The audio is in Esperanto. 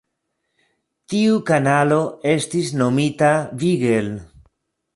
Tiu kanalo estis nomita Beagle.